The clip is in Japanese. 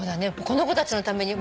この子たちのために。